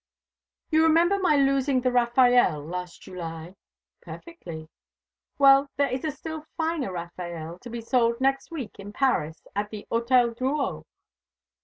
You remember my losing the Raffaelle last July?" "Perfectly." "Well, there is a still finer Raffaelle to be sold next week in Paris, at the Hôtel Drouot.